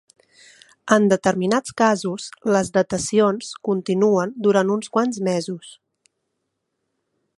En determinats casos, les datacions continuen durant uns quants mesos.